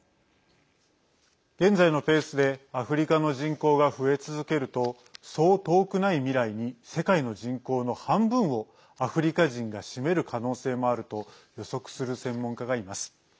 現在のペースでアフリカの人口が増え続けるとそう遠くない未来に世界の人口の半分をアフリカ人が占める可能性もあると予測する専門家がいます。